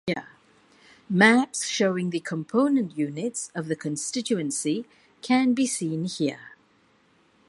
Maps showing the component units of the constituency can be seen here.